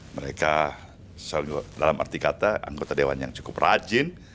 mereka dalam arti kata anggota dewan yang cukup rajin